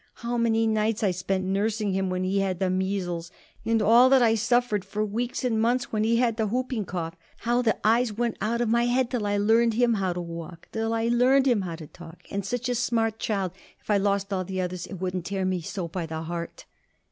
How many nights I spent nursing him when he had the measles! And all that I suffered for weeks and months when he had the whooping cough! How the eyes went out of my head till I learned him how to walk, till I learned him how to talk! And such a smart child! If I lost all the others, it wouldn't tear me so by the heart."